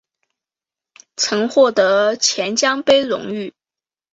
曾获得钱江杯荣誉。